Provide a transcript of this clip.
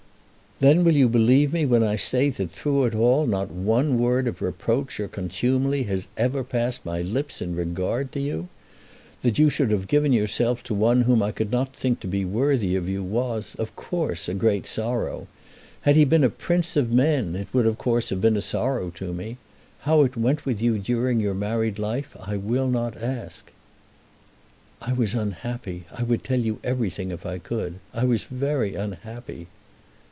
"Then you will believe me when I say that through it all not one word of reproach or contumely has ever passed my lips in regard to you. That you should have given yourself to one whom I could not think to be worthy of you was, of course, a great sorrow. Had he been a prince of men it would, of course, have been a sorrow to me. How it went with you during your married life I will not ask." "I was unhappy. I would tell you everything if I could. I was very unhappy."